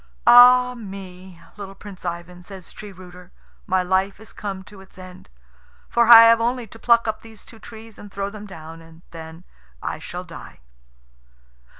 "Ah me, little Prince Ivan," says Tree rooter, "my life is come to its end; for I have only to pluck up these two trees and throw them down, and then I shall die."